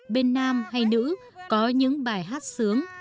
bên nam hay nữ có những bài hát sướng